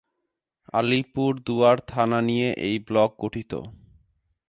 আলিপুরদুয়ার থানা নিয়ে এই ব্লক গঠিত।